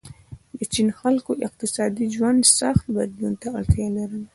د چین خلکو اقتصادي ژوند سخت بدلون ته اړتیا لرله.